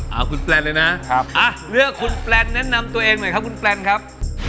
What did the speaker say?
เอาคุณแปลนเลยนะเลือกคุณแปลนแนะนำตัวเองหน่อยครับ